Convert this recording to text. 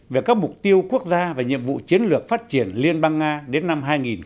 về các mục tiêu quốc gia và nhiệm vụ chiến lược phát triển liên bang nga đến năm hai nghìn ba mươi